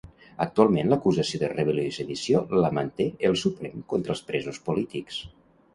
Actualment l'acusació de rebel·lió i sedició la manté el Suprem contra els presos polítics.